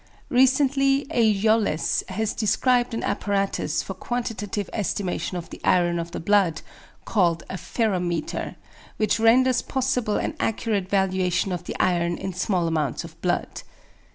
Recently A. Jolles has described an apparatus for quantitative estimation of the iron of the blood, called a "ferrometer;" which renders possible an accurate valuation of the iron in small amounts of blood.